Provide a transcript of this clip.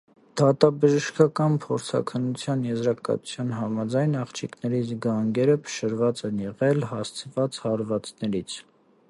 Դատաբժշկական փորձաքննության եզրակացության համաձայն՝ աղջիկների գանգերը փշրված են եղել հասցված հարվածներից։